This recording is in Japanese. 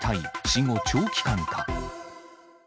死後長期間か。